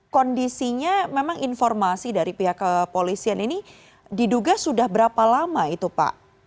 kondisinya memang informasi dari pihak kepolisian ini diduga sudah berapa lama itu pak